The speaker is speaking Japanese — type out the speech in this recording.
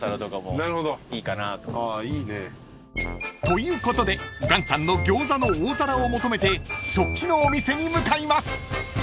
［ということで岩ちゃんの餃子の大皿を求めて食器のお店に向かいます］